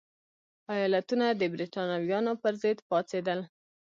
ایالتونه د برېټانویانو پرضد پاڅېدل.